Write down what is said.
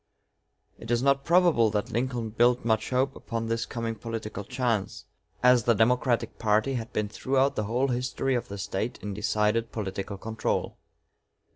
It is not probable that Lincoln built much hope upon this coming political chance, as the Democratic party had been throughout the whole history of the State in decided political control.